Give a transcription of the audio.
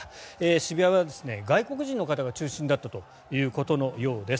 渋谷は外国人の方が中心だったということのようです。